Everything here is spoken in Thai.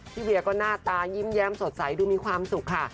เวียก็หน้าตายิ้มแย้มสดใสดูมีความสุขค่ะ